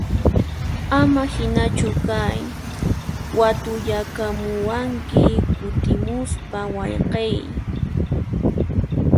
Ama hinachu kay, watuyakamuwanki kutimuspa wayqiy!